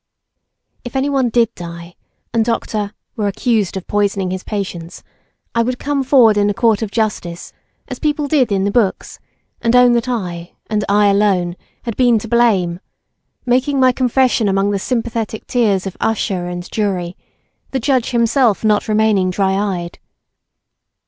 If any one did die, and Dr. —— were accused of poisoning his patients, I would come forward in the court of justice, as people did in the books, and own that I, and I alone, had been to blame, malting my confession among the sympathetic tears of usher and jury, the judge himself not remaining dry eyed.